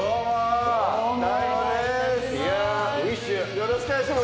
よろしくお願いしま